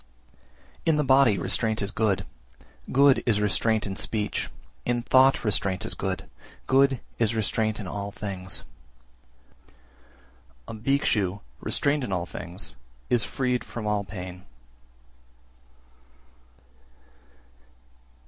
361. In the body restraint is good, good is restraint in speech, in thought restraint is good, good is restraint in all things. A Bhikshu, restrained in all things, is freed from all pain.